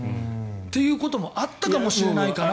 ということもあったかもしれないかなと。